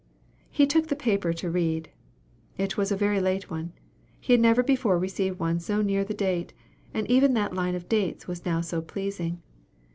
'" He took the paper to read. It was a very late one he had never before received one so near the date; and even that line of dates was now so pleasing.